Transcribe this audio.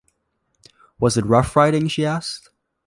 “Was it rough riding?” she asked.